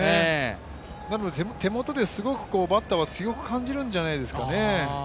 手元ですごくバッターが強く感じるんじゃないですかね。